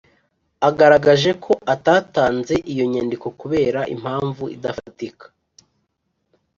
agaragaje ko atatanze iyo nyandiko kubera impamvu idafatika